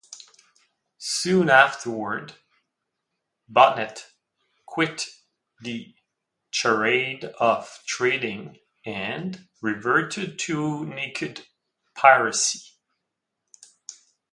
Soon afterward, Bonnet quit the charade of trading and reverted to naked piracy.